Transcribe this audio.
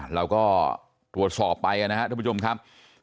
เราก็ตรวจสอบไปนะครับท่านผู้ชมครับ